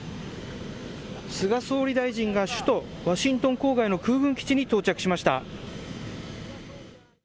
菅総理大臣が首都ワシントン郊外の空軍基地に到着しました。